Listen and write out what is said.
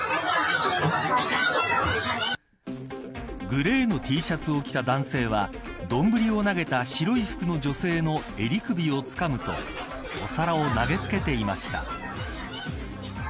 グレーのＴシャツを着た男性はどんぶりを投げた白い服の女性の襟首をつかむとお皿を投げつけていました。